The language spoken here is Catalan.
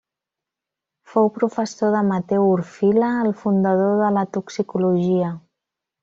Fou professor de Mateu Orfila, el fundador de la toxicologia.